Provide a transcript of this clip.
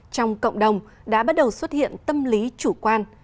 trong cộng đồng đã bắt đầu xuất hiện tâm lý chủ quan